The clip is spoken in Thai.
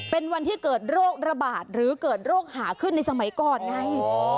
เป็นวันที่เกิดโรคระบาดหรือเกิดโรคหาขึ้นในสมัยก่อนไง